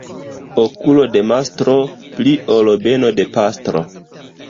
Okulo de mastro pli ol beno de pastro.